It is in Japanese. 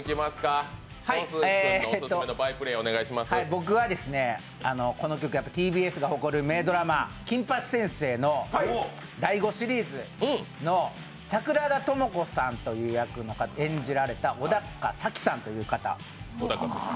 僕はこの曲、ＴＢＳが誇る名ドラマ、「金八先生」の第５シリーズの桜田友子さんという役を演じられた小高早紀さんという方。